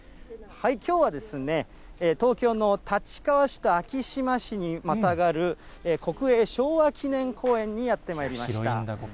きょうは東京の立川市と昭島市にまたがる、国営昭和記念公園にやってまいりました。